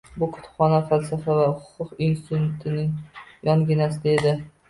Bu kutubxona Falsafa va huquq institutining yonginasida edi.